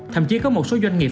thậm chí có một số doanh nghiệp